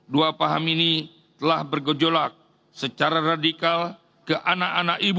dua paham ini telah bergejolak secara radikal ke anak anak ibu